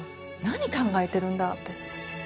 何考えてるんだって。